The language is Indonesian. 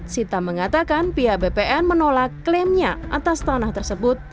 sita mengatakan pihak bpn menolak klaimnya atas tanah tersebut